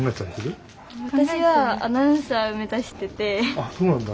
あっそうなんだ。